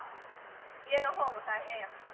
家の方も大変やし。